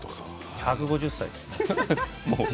１５０歳です。